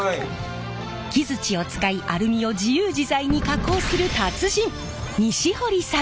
木づちを使いアルミを自由自在に加工する達人西堀さん！